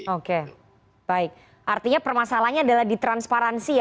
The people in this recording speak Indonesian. oke baik artinya permasalahannya adalah di transparansi ya